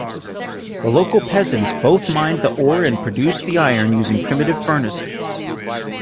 The local peasants both mined the ore and produced the iron using primitive furnaces.